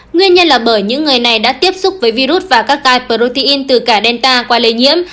nguyên nhân là bởi những người này đã tiếp xúc với virus và các gai protein từ cả delta qua lây nhiễm